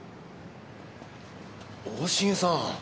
大重さん。